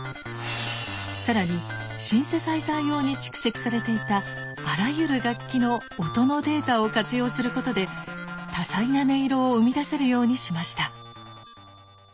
更にシンセサイザー用に蓄積されていたあらゆる楽器の音のデータを活用することで多彩な音色を生み出せるようにしました。